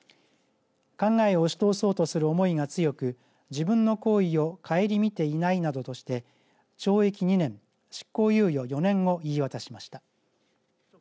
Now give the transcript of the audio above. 考えをおし通そうとする思いが強く自分の行為を省みていないなどとして懲役２年執行猶予４年を言い渡しました。